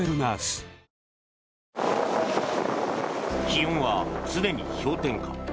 気温は常に氷点下。